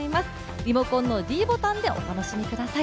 リモコンのｄボタンでお楽しみください。